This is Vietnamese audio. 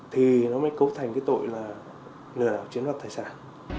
thì nó mới cấu thành cái tội là người nào chiếm đoạt tài sản